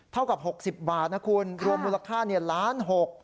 เท่ากับ๖๐บาทนะคุณรวมมูลค่าล้านหก